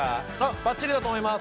ばっちりだと思います。